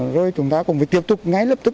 rồi chúng ta cũng phải tiếp tục ngay lập tức